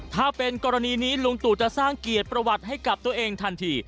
ถ้าเป็นกรณีนี้ลุงตู่จะสร้างเกียรติประวัติให้กับตัวเองทันที